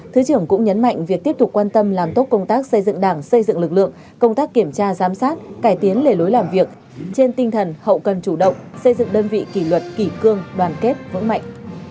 thứ trưởng cũng nhấn mạnh việc tiếp tục quan tâm làm tốt công tác xây dựng đảng xây dựng lực lượng công tác kiểm tra giám sát cải tiến lề lối làm việc trên tinh thần hậu cần chủ động xây dựng đơn vị kỷ luật kỷ cương đoàn kết vững mạnh